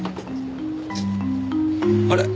あれ？